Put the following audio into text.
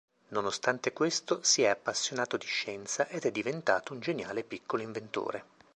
Nonostante questo, si è appassionato di scienza ed è diventato un geniale piccolo inventore.